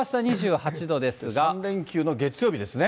３連休の月曜日ですね。